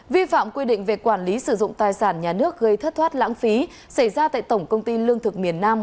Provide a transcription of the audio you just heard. vi phạm quy định về quản lý sử dụng tài sản nhà nước gây thất thoát lãng phí xảy ra tại tổng công ty lương thực miền nam